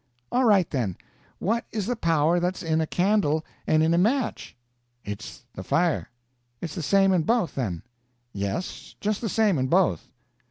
"All right, then. What is the power that's in a candle and in a match?" "It's the fire." "It's the same in both, then?" "Yes, just the same in both."